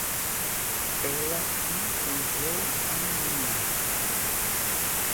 Ela intrujou a menina.